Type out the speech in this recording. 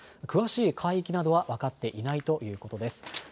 詳しい海域などは分かっていないということです。